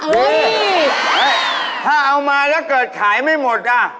เฮ้ยถ้าเอามาแล้วเกิดขายไม่หมดอ่ะ